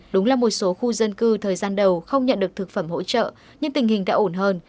đúng là một số khu dân cư thời gian đầu không nhận được thực phẩm hỗ trợ nhưng tình hình đã ổn hơn